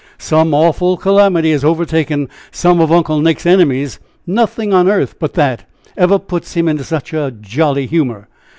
"Some awful calamity has overtaken some of Uncle Nick's enemies. Nothing on earth but that ever puts him into such a jolly humor.